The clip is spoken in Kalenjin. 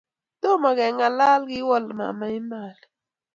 Tomokengalal kiwol mama Emali